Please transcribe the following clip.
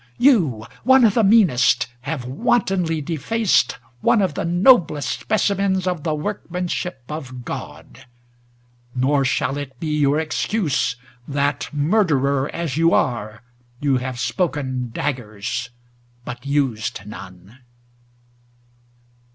you, one of the meanest, have wantonly defaced one of the noblest specimens of the workmanship of God. Nor shall it be your excuse that, murderer as you are, you have spoken daggers but used none.